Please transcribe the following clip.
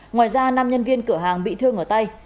ngoài ra năm nhân viên cửa hàng bị thương ở tay